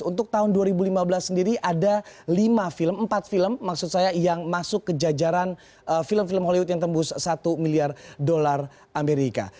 untuk tahun dua ribu lima belas sendiri ada lima film empat film maksud saya yang masuk ke jajaran film film hollywood yang tembus satu miliar dolar amerika